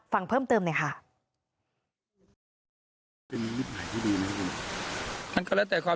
ฟังเพิ่มเติมหน่อยค่ะ